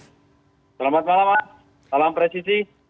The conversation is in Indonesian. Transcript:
selamat malam mas salam presisi